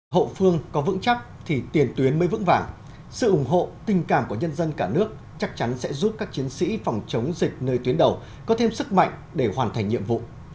hậu phương có vững chắc thì tiền tuyến mới vững vàng sự ủng hộ tình cảm của nhân dân cả nước chắc chắn sẽ giúp các chiến sĩ phòng chống dịch nơi tuyến đầu có thêm sức mạnh để hoàn thành nhiệm vụ